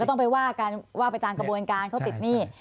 ต้องไปว่ากันว่าไปตามกระบวนการเขาติดหนี้